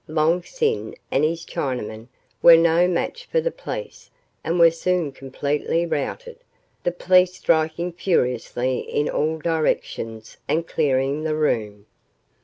Long Sin and his Chinamen were no match for the police and were soon completely routed, the police striking furiously in all directions and clearing the room.